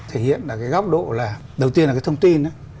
thể hiện là cái góc độ là đầu tiên là cái thông tin đó